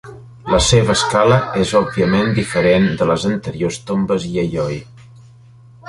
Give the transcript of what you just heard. La seva escala és òbviament diferent de les anteriors tombes Yayoi.